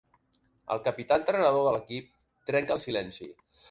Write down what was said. El capità-entrenador de l'equip trenca el silenci.